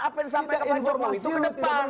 apa yang sampai kepancuran itu ke depan